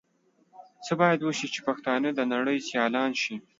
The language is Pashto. څه بايد وشي چې پښتانهٔ د نړۍ سيالان شي؟